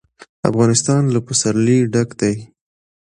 افغانستان له پسرلی ډک دی.